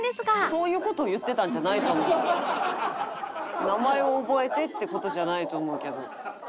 「そういう事を言ってたんじゃないと思う」名前を覚えてって事じゃないと思うけど。